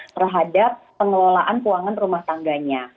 terhadap pengelolaan keuangan rumah tangganya